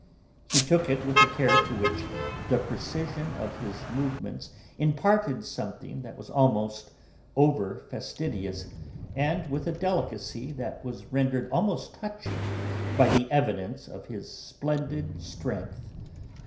He took it with a care to which the precision of his movements imparted something that was almost over fastidious, and with a delicacy that was rendered almost touching by the evidence of his splendid strength.